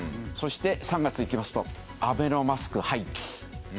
そして３月いきますとアベノマスク廃棄。